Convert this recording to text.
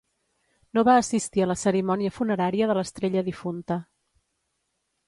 No va assistir a la cerimònia funerària de l'estrella difunta.